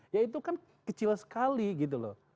ya itu kan kecil sekali gitu loh